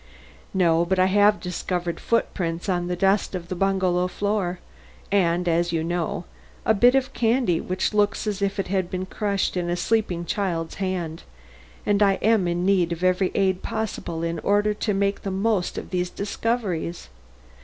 "No; but I have discovered footprints on the dust of the bungalow floor, and, as you know, a bit of candy which looks as if it had been crushed in a sleeping child's hand, and I am in need of every aid possible in order to make the most of these discoveries.